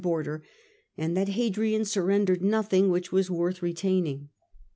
border, and that Hadrian surrendered nothing which was worth retaining.